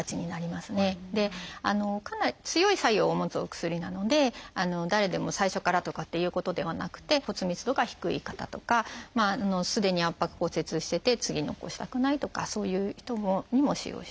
かなり強い作用を持つお薬なので誰でも最初からとかっていうことではなくて骨密度が低い方とかすでに圧迫骨折してて次に起こしたくないとかそういう人にも使用します。